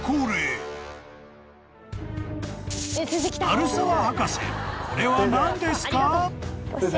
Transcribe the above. ［鳴沢博士これは何ですか？］